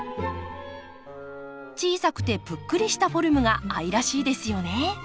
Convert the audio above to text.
小さくてぷっくりしたフォルムが愛らしいですよね。